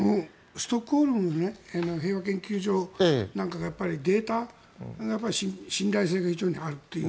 ストックホルムの平和研究所なんかがデータの信頼性が非常にあると。